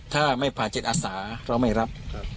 ถ้าไม่ผ่าจิตอาสาเราไม่รับ